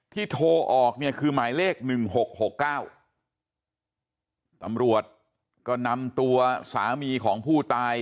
ที่โทรออกเนี่ยคือหมายเลข๑๖๖๙ตำรวจก็นำตัวสามีของผู้ตาย